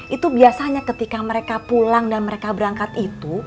itu biasanya ketika mereka pulang dan mereka berangkat itu